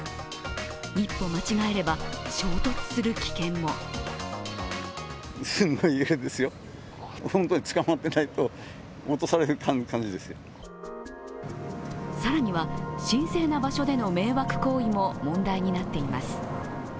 一歩間違えれば、衝突する危険も更には、神聖な場所での迷惑行為も問題になっています。